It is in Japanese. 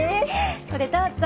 これどうぞ。